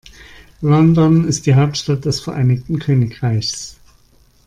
London ist die Hauptstadt des Vereinigten Königreichs.